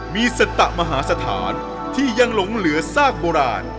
มีสตะมหาสถานที่ยังหลงเหลือซากโบราณ